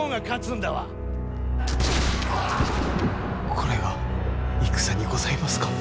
これが戦にございますか？